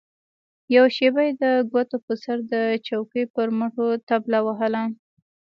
يوه شېبه يې د ګوتو په سر د چوکۍ پر مټو طبله ووهله.